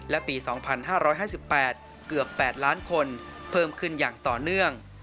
และปี๒๕๕๘เกือบ๘ล้านคนเพิ่มขึ้นอย่างต่อเนื่อง